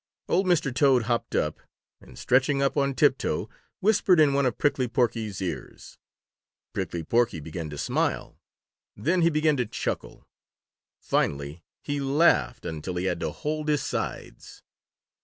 Old Mr. Toad hopped up, and stretching up on tiptoe, whispered in one of Prickly Porky's ears. Prickly Porky began to smile. Then he began to chuckle. Finally he laughed until he had to hold his sides.